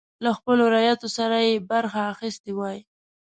له خپلو رعیتو سره یې برخه اخیستې وای.